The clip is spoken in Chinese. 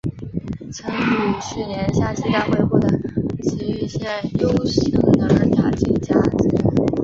曾于去年夏季大会获得崎玉县优胜而打进甲子园。